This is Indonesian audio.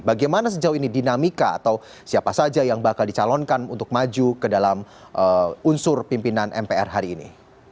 bagaimana sejauh ini dinamika atau siapa saja yang bakal dicalonkan untuk maju ke dalam unsur pimpinan mpr hari ini